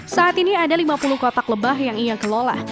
saat ini ada lima puluh kotak lebah yang ia kelola